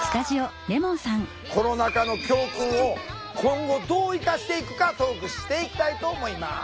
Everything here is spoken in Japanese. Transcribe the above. コロナ禍の教訓を今後どう生かしていくかトークしていきたいと思います。